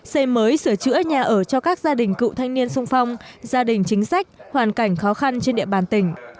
xây mới sửa chữa nhà ở cho các gia đình cựu thanh niên sung phong gia đình chính sách hoàn cảnh khó khăn trên địa bàn tỉnh